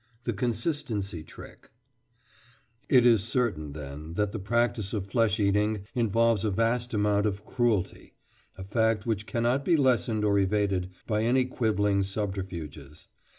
THE CONSISTENCY TRICK It is certain, then, that the practice of flesh eating involves a vast amount of cruelty—a fact which cannot be lessened or evaded by any quibbling subterfuges.